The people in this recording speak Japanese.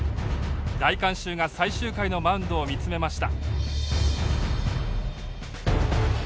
大観衆が最終回のマウンドを見つめました。